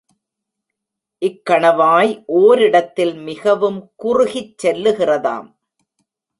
இக்கணவாய் ஓரிடத்தில் மிகவும் குறுகிச் செல்லுகிறதாம்.